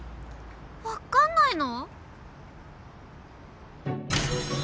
分かんないの？